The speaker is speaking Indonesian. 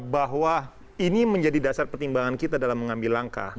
bahwa ini menjadi dasar pertimbangan kita dalam mengambil langkah